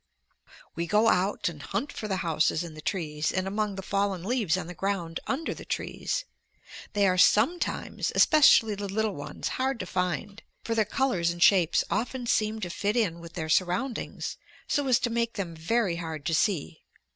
We go out and hunt for the houses in the trees and among the fallen leaves on the ground under the trees. They are sometimes, especially the little ones, hard to find, for their colors and shapes often seem to fit in with their surroundings, so as to make them very hard to see.